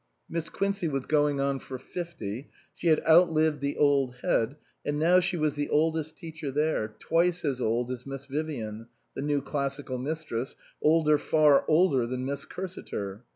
Miss Quincey was going on for fifty ; she had out lived the old Head, and now she was the oldest teacher there, twice as old as Miss Vivian, the new Classical Mistress, older, far older than Miss Cursiter.